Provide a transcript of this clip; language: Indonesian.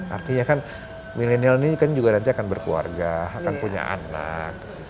artinya kan milenial ini kan juga nanti akan berkeluarga akan punya anak